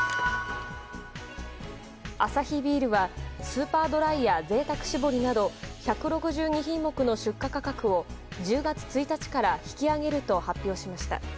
アサヒビールはスーパードライや贅沢搾りなど１６２品目の出荷価格を１０月１日から引き上げると発表しました。